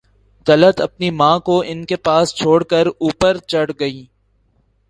طلعت اپنی ماں کو ان کے پاس چھوڑ کر اوپر چڑھ گئی